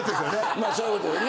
まあそういうことよね。